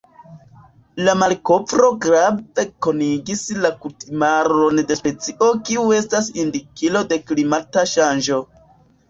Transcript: La malkovro grave konigis la kutimaron de specio kiu estas indikilo de klimata ŝanĝo.